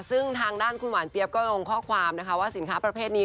ซึ่งทางด้านคุณหวานเจี๊ยบก็ลงข้อความนะคะว่าสินค้าประเภทนี้